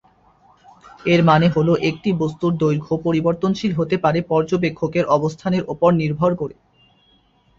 এর মানে হল একটি বস্তুর দৈর্ঘ্য পরিবর্তনশীল হতে পারে পর্যবেক্ষকের অবস্থানের উপর নির্ভর করে।